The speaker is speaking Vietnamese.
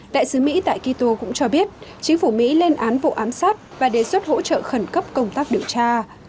đại sứ mỹ tại quito cũng cho biết chính phủ mỹ lên án vụ ám sát và đề xuất hỗ trợ khẩn cấp công tác điều tra